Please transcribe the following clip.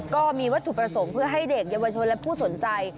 ก็มีวัตถุประสงค์เพื่อให้เด็กเยาวชนและผู้สนใจ